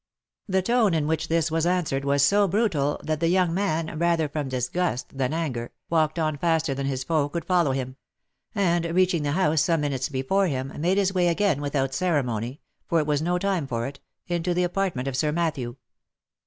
The tone in which this was answered was so brutal, that the young man, rather from disgust than anger, walked on faster than his foe could follow him ; and reaching the house some minutes before him, made his way again without ceremony — for it was no time for it — into the apartment of Sir Matthew.